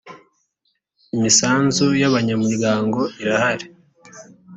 imisanzu y’ abanyamuryango irahari.